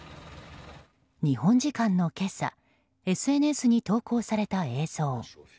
日本時間の今朝ＳＮＳに投稿された映像。